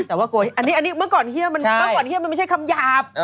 อันนี้เมื่อก่อนเฮียมันไม่ใช่คำหยาบ